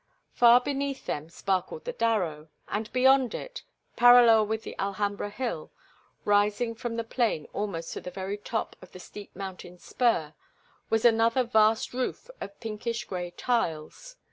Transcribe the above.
Far beneath them sparkled the Darro, and beyond it, parallel with the Alhambra Hill, rising from the plain almost to the very top of the steep mountain spur, was another vast roof of pinkish gray tiles.